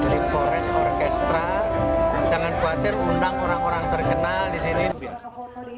jadi forest orkestra jangan khawatir undang orang orang terkenal di sini